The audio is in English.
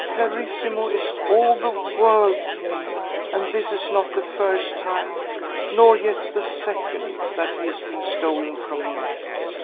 Carissimo is all the world to me, and this is not the first time, nor yet the second, that he has been stolen from me.